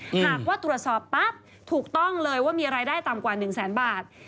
หากว่าตรวจสอบปั๊บถูกต้องเลยว่ามีรายได้ต่ำกว่า๑แสนบาท